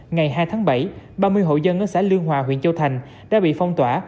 ngày hai tháng bảy ba mươi hộ dân ở xã lương hòa huyện châu thành đã bị phong tỏa